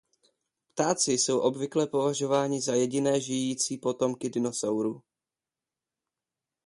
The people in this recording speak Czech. Ptáci jsou obvykle považováni za jediné žijící potomky dinosaurů.